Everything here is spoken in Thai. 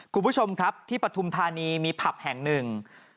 คุณผู้ชมครับที่ปฐุมธานีมีผับแห่งหนึ่ง